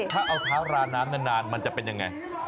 ถ้าเอาเท้าราน้ำนานมันจะเป็นยังไง